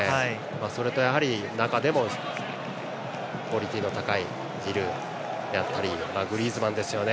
それと、中でもクオリティーの高いジルーやグリーズマンですよね。